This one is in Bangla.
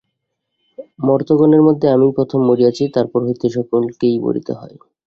মর্ত্যগণের মধ্যে আমিই প্রথম মরিয়াছি, তারপর হইতে সকলকেই মরিতে হয়।